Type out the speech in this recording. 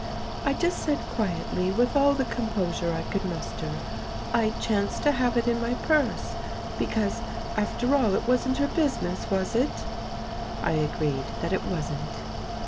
I just said quietly, with all the composure I could muster, 'I chanced to have it in my purse,' because, after all, it wasn't her business, was it?" I agreed that it wasn't.